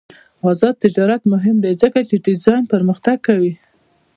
آزاد تجارت مهم دی ځکه چې ډیزاین پرمختګ کوي.